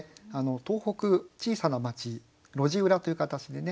「東北」「小さな町」「路地裏」という形でね